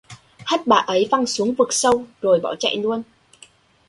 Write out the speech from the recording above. Hất bà ấy văng xuống vực sâu rồi bỏ chạy luôn